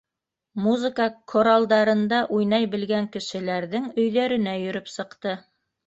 Музыка коралдарында уйнай белгән кешеләрҙең өйҙәренә йөрөп сыҡты.